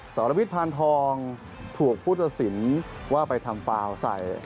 สารพิษพานทองถูกผู้ตัดสินว่าไปทำฟาวใส่